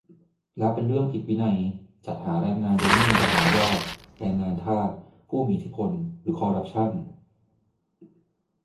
แล้วเป็นเรื่องผิดวินัย จัดหาแรงงานโดยไม่มีใบอนุญาต แรงงานทาส ผู้มีอิทธิพล หรือคอรัปชั่น ?